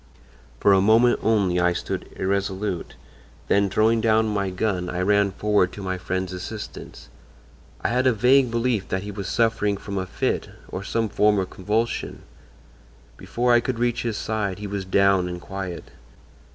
"For a moment only I stood irresolute, then throwing down my gun I ran forward to my friend's assistance. I had a vague belief that he was suffering from a fit, or some form of convulsion. Before I could reach his side he was down and quiet.